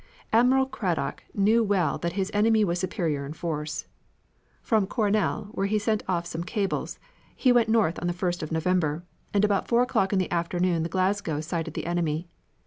Admiral Cradock knew well that his enemy was superior in force. From Coronel, where he sent off some cables, he went north on the first of November, and about four o'clock in the afternoon the Glasgow sighted the enemy.